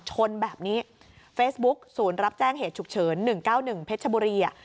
ชนแบบนี้เฟซบุ๊กศูนย์รับแจ้งเหตุฉุกเฉินหนึ่งเก้าหนึ่งเพชรบุรีอ่ะ